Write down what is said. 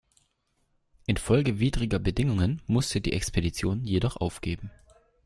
Infolge widriger Bedingungen musste die Expedition jedoch aufgeben.